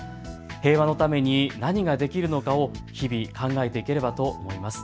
平和のために何ができるのかを日々考えていければと思います。